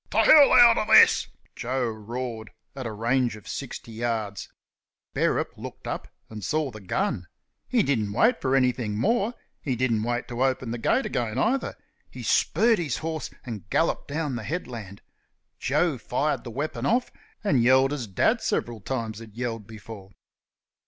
"T' 'ell outer this!" Joe roared at a range of sixty yards. Bearup looked up and saw the gun. He didn't wait for anything more; he didn't wait to open the gate again either. He spurred his horse and galloped down the headland. Joe fired the weapon off, and yelled as Dad several times had yelled before.